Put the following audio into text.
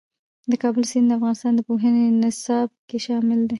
د کابل سیند د افغانستان د پوهنې نصاب کې شامل دي.